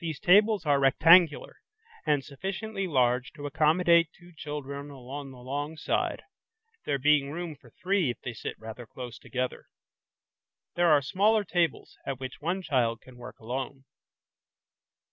These tables are rectangular and sufficiently large to accommodate two children along the long side, there being room for three if they sit rather close together. There are smaller tables at which one child can work alone.